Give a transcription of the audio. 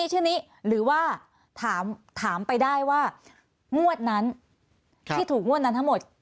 เช่นนี้หรือว่าถามไปได้ว่างวดนั้นที่ถูกงวดนั้นทั้งหมด